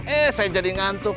eh saya jadi ngantuk